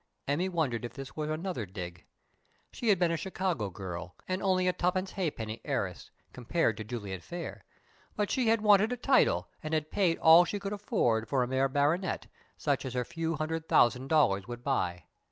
Emmy wondered if this were another "dig." She had been a Chicago girl, and only a "tuppenny half penny" heiress, compared to Juliet Phayre; but she had wanted a title, and had paid all she could afford for a mere baronet, such as her few hundred thousand dollars would buy.